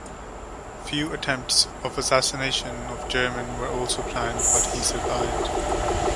Few attempts of assassination of Jerman were also planned but he survived.